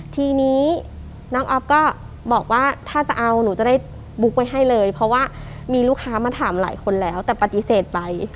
ทีนี้น้องอ๊อฟก็บอกว่าถ้าจะเอาหนูจะได้บุ๊กไว้ให้เลยเพราะว่ามีลูกค้ามาถามหลายคนแล้วแต่ปฏิเสธไป